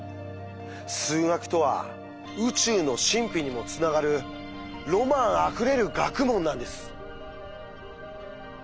数学とは宇宙の神秘にもつながるロマンあふれる学問なんです。